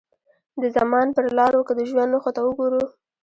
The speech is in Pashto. د زمان پر لارو که د ژوند نښو ته وګورو.